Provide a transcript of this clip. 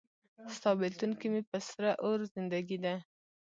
ستا بیلتون کې مې په سره اور زندګي ده